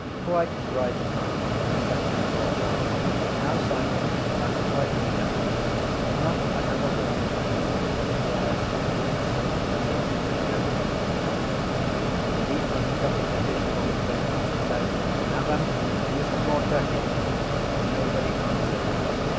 —Quite right, ma’am, said uncle Charles. Now Simon, that’s quite enough now. Not another word now. —Yes, yes, said Mr Dedalus quickly. He uncovered the dish boldly and said: —Now then, who’s for more turkey? Nobody answered.